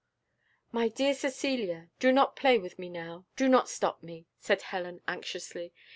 "My dear Cecilia, do not play with me now do not stop me," said Helen anxiously.